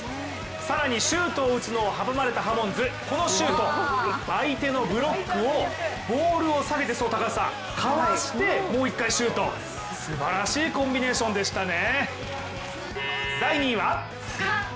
更にシュートを打つのを阻まれたハモンズ、このシュート相手のブロックをボールを下げてかわしてもう一回シュート、すばらしいコンビネーションでしたね。